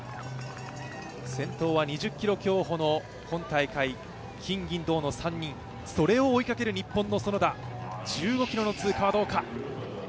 先頭は２０ｋｍ競歩の今大会の金銀、それを追いかける日本の園田、１５ｋｍの通過はどうか。